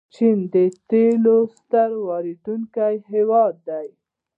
چین د تیلو ستر واردونکی هیواد دی.